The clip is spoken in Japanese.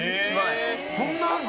そんなあるの？